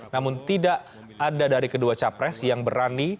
namun tidak ada dari kedua capres yang berani